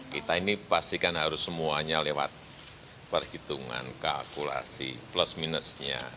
kita ini pastikan harus semuanya lewat perhitungan kalkulasi plus minusnya